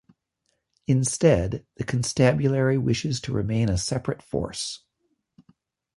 Instead, the constabulary wishes to remain a separate force.